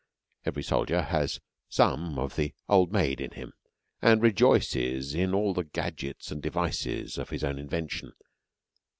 Every soldier has some of the old maid in him, and rejoices in all the gadgets and devices of his own invention.